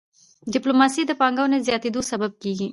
ډيپلوماسي د پانګوني د زیاتيدو سبب کېږي.